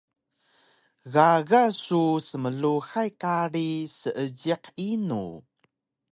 Gaga su smluhay kari Seejiq inu?